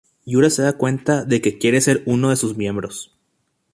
Yura se da cuenta de que quiere ser uno de sus miembros.